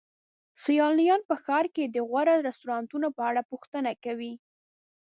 سیلانیان په ښار کې د غوره رستورانتونو په اړه پوښتنه کوي.